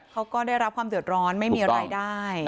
เขาก็ได้รับความเดือดร้อนไม่มีรายได้